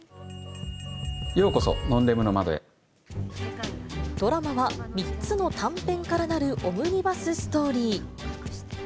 ようこそ、ドラマは、３つの短編からなるオムニバスストーリー。